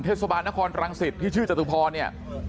เทศบาลนครรังสิตที่ชื่อจตุพรเนี่ย